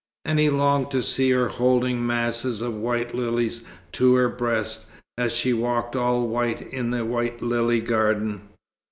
And he longed to see her holding masses of white lilies to her breast, as she walked all white in the white lily garden.